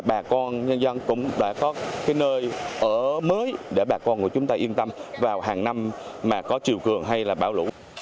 bà con nhân dân cũng đã có cái nơi ở mới để bà con của chúng ta yên tâm vào hàng năm mà có chiều cường hay là bão lũ